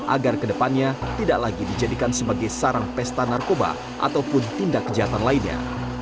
agar kedepannya tidak lagi dijadikan sebagai sarang pesta narkoba ataupun tindak kejahatan lainnya